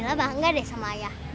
bella bangga deh sama ayah